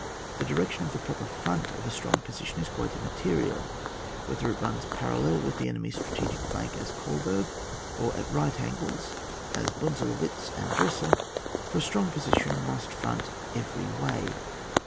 llie direction of the proper front of a strong position is quite immaterial, whe ther it runs parallel with the enemy's strategpic flank, as Golberg, or at right angles as Bunzelwitz and Drissa, for a strong position must front every way.